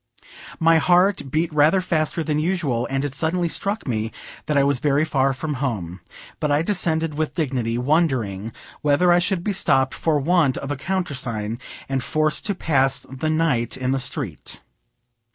My heart beat rather faster than usual, and it suddenly struck me that I was very far from home; but I descended with dignity, wondering whether I should be stopped for want of a countersign, and forced to pass the night in the street.